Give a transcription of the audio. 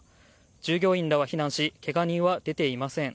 従業員らは避難しけが人は出ていません。